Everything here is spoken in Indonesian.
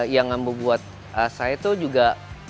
yang ngambil buat saya itu juga